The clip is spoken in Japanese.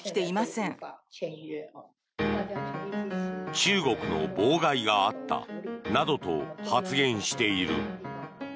中国の妨害があったなどと発言している。